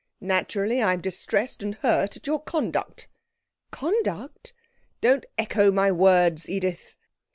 'Naturally, I'm distressed and hurt at your conduct.' 'Conduct!' 'Don't echo my words, Edith.'